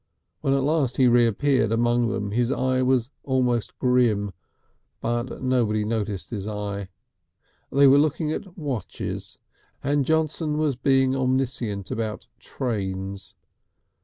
When at last he reappeared among them his eye was almost grim, but nobody noticed his eye. They were looking at watches, and Johnson was being omniscient about trains.